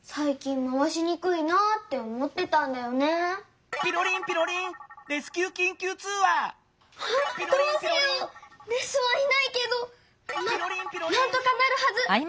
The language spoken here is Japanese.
まあなんとかなるはず。